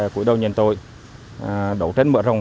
cuối đầu nhận tội đổ chết mượn rồng